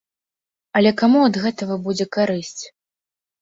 Але каму ад гэтага будзе карысць?